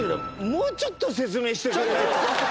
もうちょっと説明してくれ。